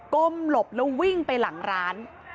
ก้มหลบแล้ววิ่งไปหลังร้าน